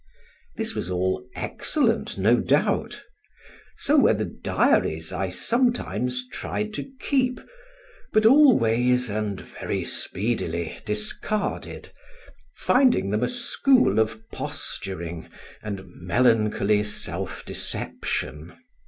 This was all excellent, no doubt; so were the diaries I sometimes tried to keep, but always and very speedily discarded, finding them a school of posturing and melancholy self deception.